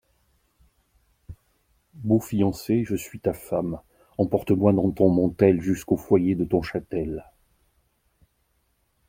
Beau fiancé, je suis ta femme ; Emporte-moi dans ton mantel Jusqu'au foyer de ton chatel.